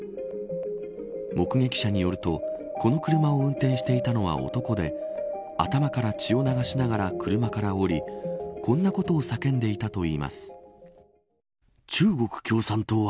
目撃者によるとこの車を運転していたのは男で頭から血を流しながら車から降りこんなことを叫んでいたといいます。